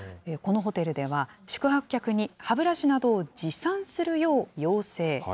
このホテルでは、宿泊客に歯ブラシなどを持参するよう要請。